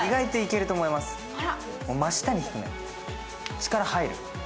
力入る？